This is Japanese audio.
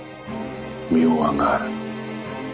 妙案がある。